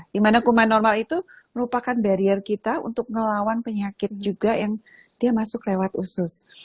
dimana kuman normal itu merupakan barrier kita untuk ngelawan penyakit juga yang dia masuk lewat usus